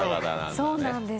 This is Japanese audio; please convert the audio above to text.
そうなんです。